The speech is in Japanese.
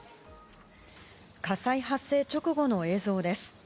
火災発生直後の映像です。